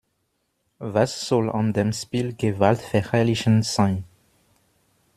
Was soll an dem Spiel gewaltverherrlichend sein?